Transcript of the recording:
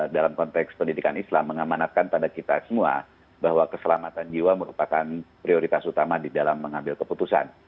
dalam konteks pendidikan islam mengamanatkan pada kita semua bahwa keselamatan jiwa merupakan prioritas utama di dalam mengambil keputusan